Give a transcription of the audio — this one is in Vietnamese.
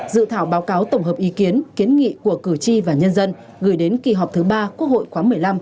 dự thảo báo cáo tổng hợp ý kiến kiến nghị của cử tri và nhân dân gửi đến kỳ họp thứ ba quốc hội khoáng một mươi năm